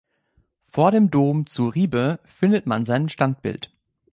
Vor dem Dom zu Ribe findet man sein Standbild.